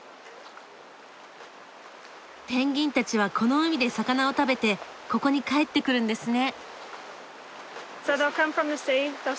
ペンギンたちはこの海で魚を食べてここに帰ってくるんですね。